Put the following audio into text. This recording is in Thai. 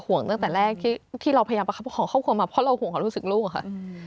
ตั้งแต่แรกที่เราพยายามประคับของครอบครัวมาเพราะเราห่วงความรู้สึกลูกค่ะ